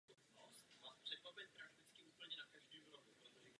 Následující bodem jsou jednominutové projevy k důležitým politickým otázkám.